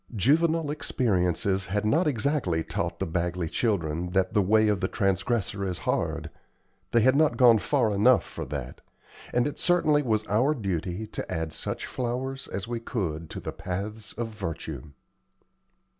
Juvenile experiences had not exactly taught the Bagley children that "the way of the transgressor is hard," they had not gone far enough for that, and it certainly was our duty to add such flowers as we could to the paths of virtue.